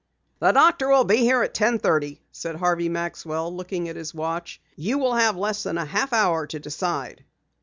"The doctor will be here at ten thirty," said Harvey Maxwell, looking at his watch. "You will have less than a half hour to decide."